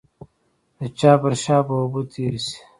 د چا پر شا به اوبه تېرې شي.